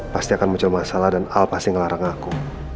pasti akan muncul masalah dan al pasti ngelarang aku